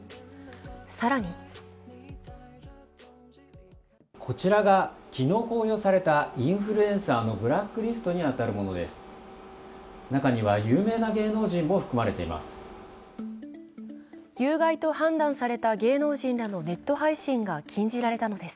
更にこちらが昨日公表されたインフルエンサーのブラックリストに当たるものです。